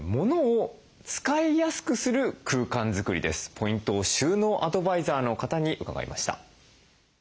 ポイントを収納アドバイザーの方に伺いました。